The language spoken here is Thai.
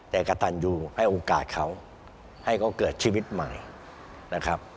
แต่กระตันยูให้โอกาสเขาให้เขาเกิดชีวิตใหม่นะครับ